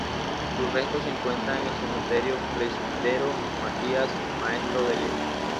Sus restos se encuentran en el Cementerio Presbítero Matías Maestro de Lima.